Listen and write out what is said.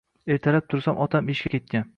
Ertalab tursam, otam ishga ketgan.